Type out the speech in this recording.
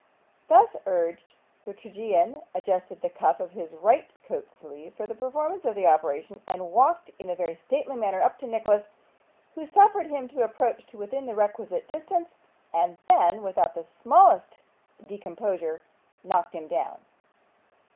Thus urged, the tragedian adjusted the cuff of his right coat sleeve for the performance of the operation, and walked in a very stately manner up to Nicholas, who suffered him to approach to within the requisite distance, and then, without the smallest discomposure, knocked him down.